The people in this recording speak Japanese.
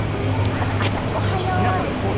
朝、おはようで。